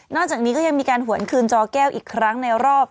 จากนี้ก็ยังมีการหวนคืนจอแก้วอีกครั้งในรอบ